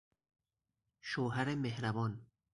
شوهر مهربان